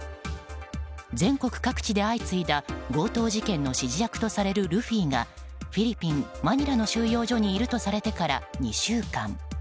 全国各地で相次いだ、強盗事件の指示役とされるルフィがフィリピン・マニラの収容所にいるとされてから２週間。